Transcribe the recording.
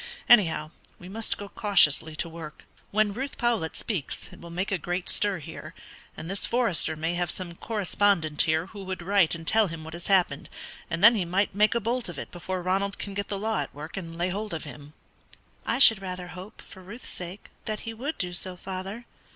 Anyhow, we must go cautiously to work. When Ruth Powlett speaks, it will make a great stir here, and this Forester may have some correspondent here who would write and tell him what has happened, and then he might make a bolt of it before Ronald can get the law at work and lay hold of him." "I should rather hope, for Ruth's sake, that he would do so, father.